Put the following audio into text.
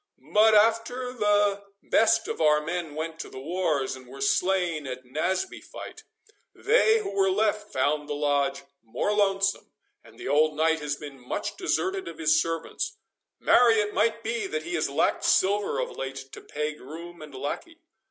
But after the best of our men went to the wars, and were slain at Naseby fight, they who were left found the Lodge more lonesome, and the old knight has been much deserted of his servants:—marry, it might be, that he has lacked silver of late to pay groom and lackey."